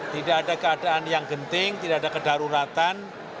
tidak ada keadaan yang genting tidak ada kedaruratan